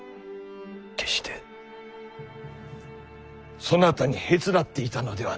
決してそなたにへつらっていたのではない。